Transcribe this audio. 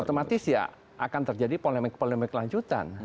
otomatis ya akan terjadi polemik polemik lanjutan